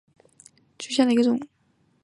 无芒羊茅为禾本科羊茅属下的一个种。